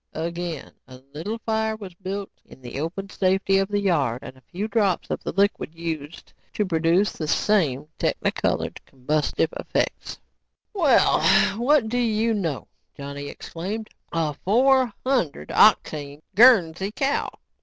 Again, a little fire was built in the open safety of the yard and a few drops of the liquid used to produce the same technicolored, combustive effects. "Well, what do you know," Johnny exclaimed, "a four hundred octane Guernsey cow!"